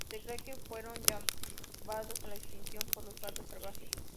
Se cree que fueron llevados a la extinción por los gatos salvajes.